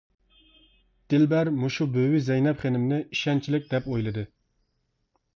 دىلبەر مۇشۇ بۈۋى زەينەپ خېنىمنى ئىشەنچلىك، دەپ ئويلىدى.